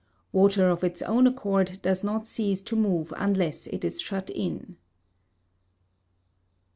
Water of its own accord does not cease to move unless it is shut in. 57.